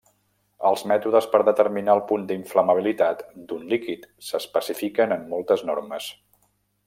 Els mètodes per determinar el punt d'inflamabilitat d'un líquid s'especifiquen en moltes normes.